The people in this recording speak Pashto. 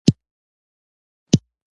فعل د فاعل سره تړاو لري او عمل بیانوي.